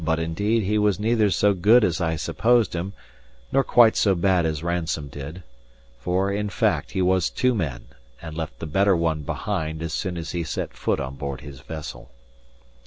But indeed, he was neither so good as I supposed him, nor quite so bad as Ransome did; for, in fact, he was two men, and left the better one behind as soon as he set foot on board his vessel.